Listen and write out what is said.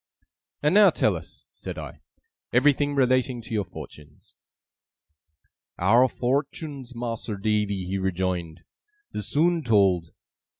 'And now tell us,' said I, 'everything relating to your fortunes.' 'Our fortuns, Mas'r Davy,' he rejoined, 'is soon told.